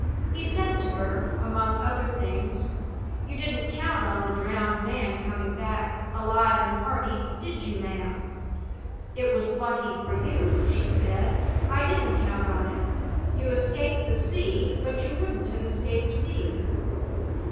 He said to her, among other things: "You didn't count on the drowned man coming back, alive and hearty, did you, ma'am?" "It's lucky for you," she said, "I didn't count on it. You have escaped the sea, but you wouldn't have escaped me."